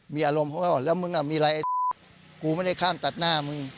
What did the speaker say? มีอารมณ์เขาก็บอกแล้วมึงอ่ะมีอะไรกูไม่ได้ข้ามตัดหน้ามึง